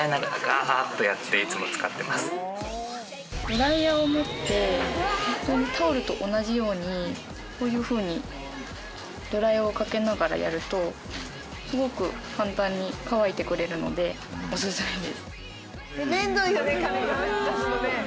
ドライヤーを持ってホントにタオルと同じようにこういうふうにドライヤーをかけながらやるとすごく簡単に乾いてくれるのでおすすめです。